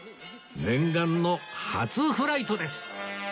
念願の初フライトです！